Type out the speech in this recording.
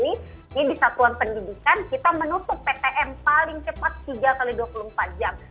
ini di satuan pendidikan kita menutup ptm paling cepat tiga x dua puluh empat jam